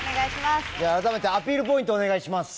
改めてアピールポイントをお願いします。